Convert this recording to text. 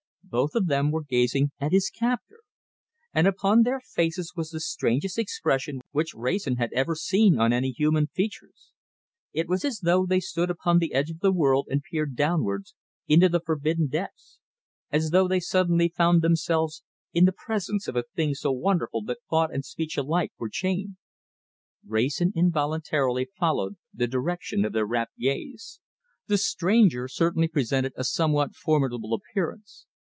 Both of them were gazing at his captor, and upon their faces was the strangest expression which Wrayson had ever seen on any human features. It was as though they stood upon the edge of the world and peered downwards, into the forbidden depths; as though they suddenly found themselves in the presence of a thing so wonderful that thought and speech alike were chained. Wrayson involuntarily followed the direction of their rapt gaze. The stranger certainly presented a somewhat formidable appearance.